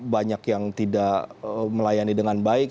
banyak yang tidak melayani dengan baik